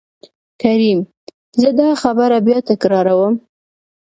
کريم :زه دا خبره بيا تکرار وم.